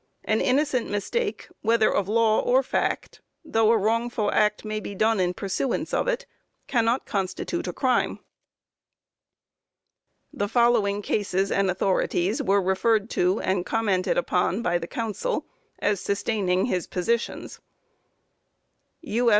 An innocent mistake, whether of law or fact, though a wrongful act may be done in pursuance of it, cannot constitute a crime. [The following cases and authorities were referred to and commented upon by the counsel, as sustaining his positions: _U.S.